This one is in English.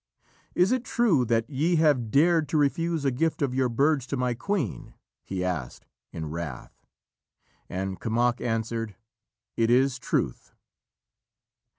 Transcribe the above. "Is it truth that ye have dared to refuse a gift of your birds to my queen?" he asked, in wrath. And Kemoc answered: "It is truth."